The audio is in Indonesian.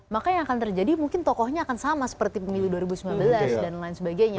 maka yang akan terjadi mungkin tokohnya akan sama seperti pemilu dua ribu sembilan belas dan lain sebagainya